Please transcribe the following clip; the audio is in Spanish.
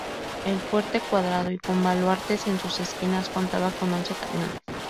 El fuerte, cuadrado y con baluartes en sus esquinas, contaba con once cañones.